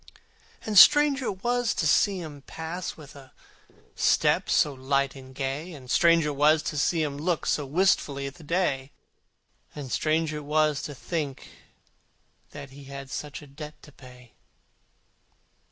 For strange it was to see him pass With a step so light and gay, And strange it was to see him look So wistfully at the day, And strange it was to think that he Had such a debt to pay.